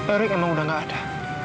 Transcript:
erik emang udah gak ada